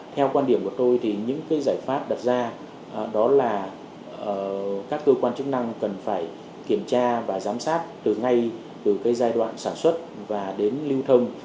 theo quan điểm của tôi thì những giải pháp đặt ra đó là các cơ quan chức năng cần phải kiểm tra và giám sát từ ngay từ giai đoạn sản xuất và đến lưu thông